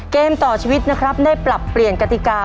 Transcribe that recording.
เกมต่อชีวิตนะครับได้ปรับเปลี่ยนกติกา